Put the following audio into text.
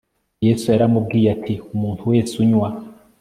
yesu yaramubwiye ati umuntu wese unywa